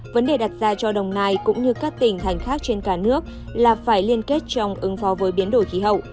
vấn đề đặt ra cho đồng nai cũng như các tỉnh thành khác trên cả nước là phải liên kết trong ứng phó với biến đổi khí hậu